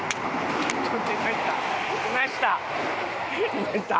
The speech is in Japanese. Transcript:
いました。